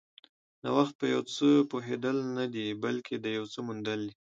نوښت په یو څه پوهېدل نه دي، بلکې د یو څه موندل دي.